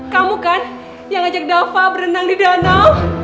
kamu kan yang ajak dapah berenang di nanaw